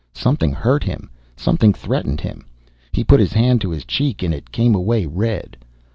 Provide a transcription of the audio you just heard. Something hurt him, something threatened him. He put his hand to his cheek and it came away red.